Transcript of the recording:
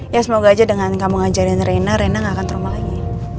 ya semoga aja dengan kamu ngajarin rena rena gak akan trauma lagi